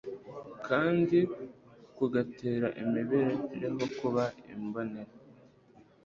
kandi kugatera imibereho kuba imbonera,